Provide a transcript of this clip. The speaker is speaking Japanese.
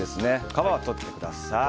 皮はとってください。